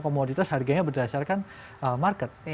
komoditas harganya berdasarkan market